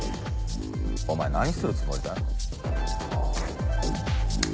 お前何するつもりだ？